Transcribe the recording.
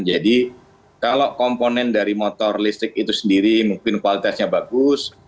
jadi kalau komponen dari motor listrik itu sendiri mungkin kualitasnya bagus